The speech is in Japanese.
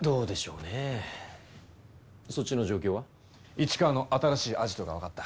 市川の新しいアジトがわかった。